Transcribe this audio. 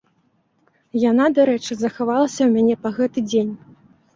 Яна, дарэчы, захавалася ў мяне па гэты дзень.